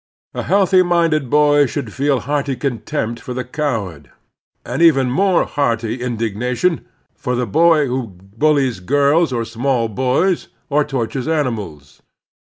A healthy minded boy should feel hearty contempt for the coward, and even more hearty indignation for the boy who bullies girls or small boys, or tortures animals.